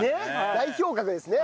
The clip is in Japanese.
代表格ですね！